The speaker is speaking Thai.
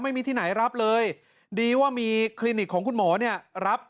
ไม่มีที่ไหนรับเลยดีว่ามีคลินิกของคุณหมอเนี่ยรับ